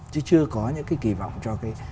chứ chưa có những kỳ vọng cho